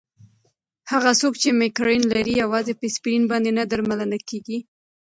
هغه څوک چې مېګرین لري، یوازې په اسپرین باندې نه درملنه کېږي.